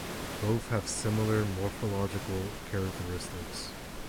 Both have similar morphological characteristics.